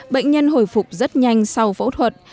bệnh nhân hồi phục rất nhanh sau phẫu thuật